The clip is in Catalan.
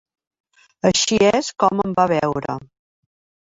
Així és com em va veure.